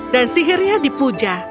dan sihirnya dipuja